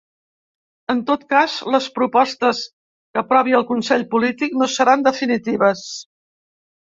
En tot cas, les propostes que aprovi el consell polític no seran definitives.